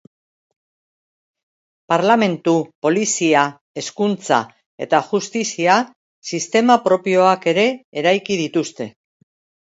Parlementu, polizia, hezkuntza eta justizia sistema propioak ere eraiki dituzte.